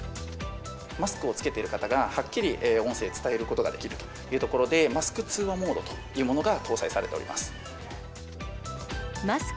マスクを着けている方がはっきり音声伝えることができるというところで、マスク通話モードというものが搭載されております。